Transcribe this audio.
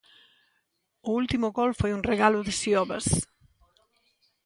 O último gol foi un regalo de Siovas.